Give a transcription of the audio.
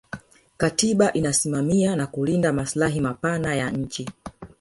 katiba inasimamia na kulinda maslahi mapana ya nchi